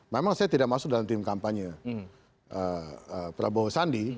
memang saya tidak masuk dalam tim kampanye prabowo sandi